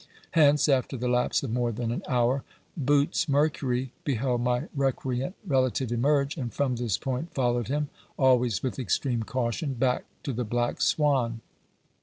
Hence, after the lapse of more than an hour, Boots Mercury beheld my recreant relative emerge, and from this point followed him always with extreme caution back to the Black Swan.